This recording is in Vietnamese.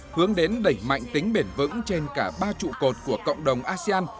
hướng đến đẩy mạnh tính bền vững trên cả ba trụ cột của cộng đồng asean